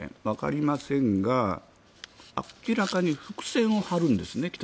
わかりませんが明らかに伏線を張るんですね